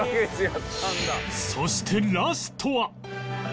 そしてラストは